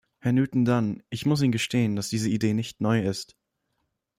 Herr Newton Dunn, ich muss Ihnen gestehen, dass diese Idee nicht neu ist.